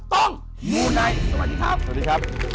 ต้องหมูไนท์